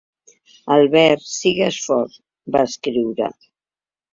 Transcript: Albert, sigues fort, va escriure.